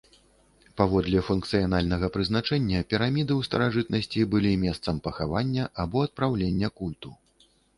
Паводле функцыянальнага прызначэння піраміды ў старажытнасці былі месцам пахавання, або адпраўлення культу.